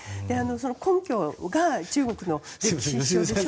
根拠が中国の歴史書でしょ？